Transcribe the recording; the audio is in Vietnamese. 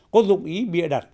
có dụng ý bịa đặt